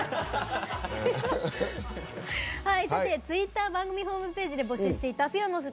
ツイッター番組ホームページで募集していたフィロのス